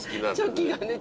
チョキがね